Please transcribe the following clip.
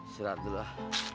serat dulu lah